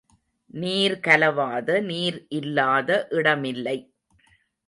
நீர்கலவாத நீர் இல்லாத இடமில்லை.